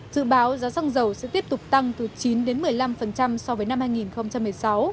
dự báo giá xăng dầu sẽ tiếp tục tăng từ chín một mươi năm so với năm hai nghìn một mươi sáu